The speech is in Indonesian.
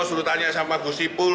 suruh tanya sama gusipul